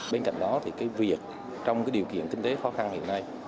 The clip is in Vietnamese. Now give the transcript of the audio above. bên cạnh đó thì cái việc trong cái điều kiện kinh tế khó khăn hiện nay